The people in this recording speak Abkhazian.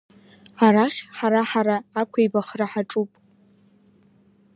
Арахь ҳара-ҳара ақәибахра ҳаҿуп!